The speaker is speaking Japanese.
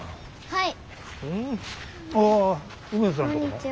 はい。